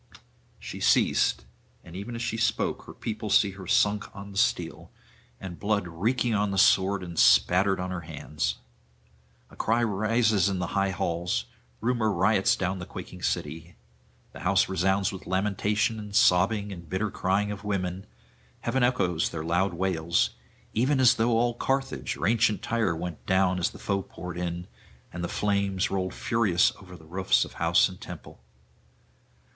She ceased; and even as she spoke her people see her sunk on the steel, and blood reeking on the sword and spattered on her hands. A cry rises in the high halls; Rumour riots down the quaking city. The house resounds with lamentation and sobbing and bitter crying of women; [668 700]heaven echoes their loud wails; even as though all Carthage or ancient Tyre went down as the foe poured in, and the flames rolled furious over the roofs of house and temple.